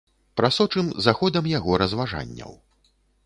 Прасочым за ходам яго разважанняў.